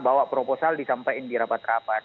bawa proposal disampaikan di rapat rapat